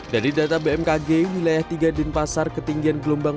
dari data bmkg wilayah tiga denpasar ketinggian gelombang